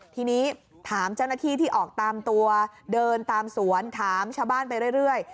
ทีนี้ถามเจ้าหน้าที่ที่ออกตามตัวเดินตามสวนถามชาวบ้านไปเรื่อย